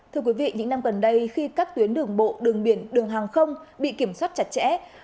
thưa quý vị những năm gần đây khi các tuyến đường bộ đường biển đường hàng không bị kiểm soát chặt chẽ